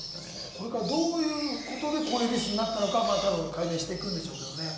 これからどういうことでこういうミスになったのか解明していくんでしょうけれどもね。